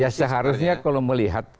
ya seharusnya kalau melihat